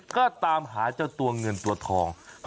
ก็ตามหาเจ้าตัวเงินตัวทอง